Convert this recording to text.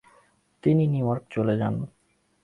তিনি নিউ ইয়র্কে চলে যান।